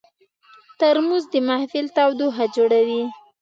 ترموز د محفل تودوخه جوړوي.